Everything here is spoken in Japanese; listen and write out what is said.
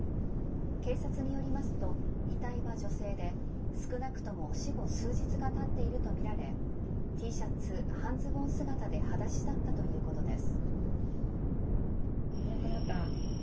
警察によりますと遺体は女性で少なくとも死後数日が経っているとみられＴシャツ、半ズボン姿ではだしだったということです。